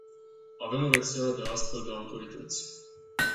Avem o rețea de astfel de autorități.